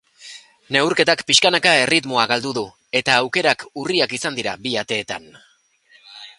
Neurketak pixkanaka erritmoa galdu du eta aukerak urriak izan dira bi ateetan.